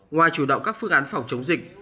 ngoài chủ động các phương án phòng chống dịch